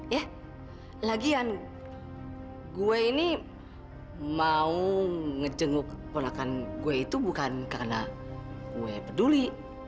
ya lagian gue ini mau ngejenguk ponakan gue itu bukan karena gue peduli